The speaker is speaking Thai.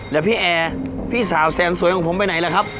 แล้วพี่แอร์พี่สาวแสนสวยของผมไปไหนล่ะครับ